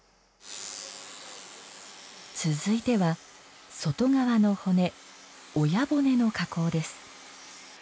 続いては外側の骨親骨の加工です。